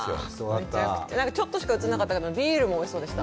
ちょっとしか映らなかったけれどもビールもおいしそうでした。